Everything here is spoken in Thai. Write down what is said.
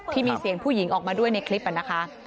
ที่มีเสียงผู้หญิงออกมาด้วยในคลิปนะคะ